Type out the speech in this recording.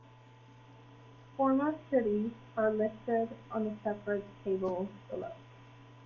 Former cities are listed on a separate table below.